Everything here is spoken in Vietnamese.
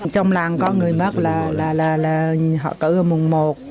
trong làng có người mất là họ cử mùng một mùng bốn mùng chín